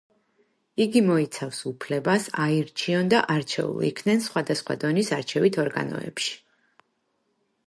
იგი მოიცავს უფლებას აირჩიონ და არჩეულ იქნენ სხვადასხვა დონის არჩევით ორგანოებში.